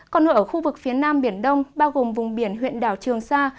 còn ở khu vực phía nam biển đông bao gồm vùng biển huyện đảo trường sa